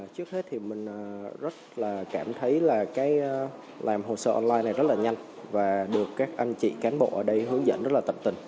trước hết thì mình rất là cảm thấy là cái làm hồ sơ online này rất là nhanh và được các anh chị cán bộ ở đây hướng dẫn rất là tận tình